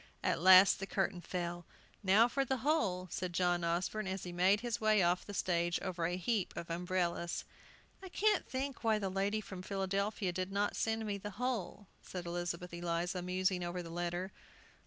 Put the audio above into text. At last the curtain fell. "Now for the whole," said John Osborne, as he made his way off the stage over a heap of umbrellas. "I can't think why the lady from Philadelphia did not send me the whole," said Elizabeth Eliza, musing over the letter.